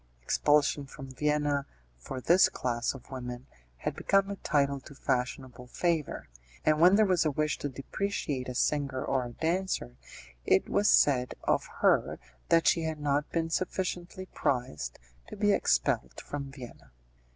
Expulsion from Vienna, for this class of women, had become a title to fashionable favour, and when there was a wish to depreciate a singer or a dancer, it was said of her that she had not been sufficiently prized to be expelled from Vienna.